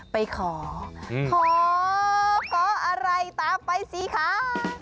ไปขอขออะไรตามไปสิคะ